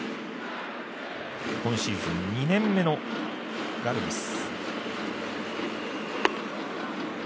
今シーズン２年目のガルビス。